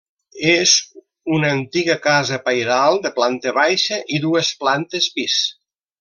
És una antiga casa pairal de planta baixa i dues plantes pis.